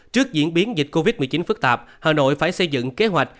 trước diễn biến dịch covid một mươi chín phức tạp hà nội phải xây dựng kế hoạch